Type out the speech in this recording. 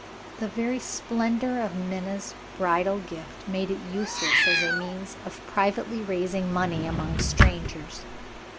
The very splendor of Minna's bridal gift made it useless as a means of privately raising money among strangers.